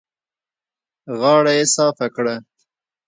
غاړه يې صافه کړه.